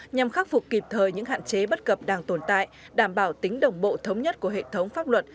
nhằm khắc phục kịp thời những hạn chế bất cập đang tồn tại đảm bảo tính đồng bộ thống nhất của hệ thống pháp luật